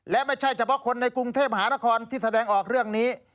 และไม่ใช่เฉพาะคนในกรุงเทพมหานครที่แสดงออกเรื่องนี้